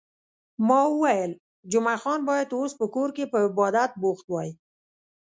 ما وویل، جمعه خان باید اوس په کور کې په عبادت بوخت وای.